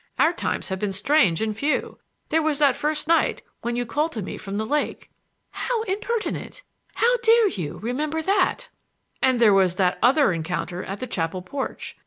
Our times have been strange and few. There was that first night, when you called to me from the lake." "How impertinent! How dare you—remember that?" "And there was that other encounter at the chapel porch.